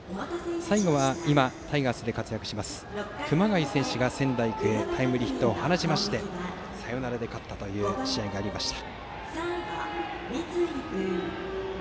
最後は今、タイガースで活躍する熊谷選手がタイムリーヒットを放ちまして仙台育英がサヨナラで勝った試合がありました。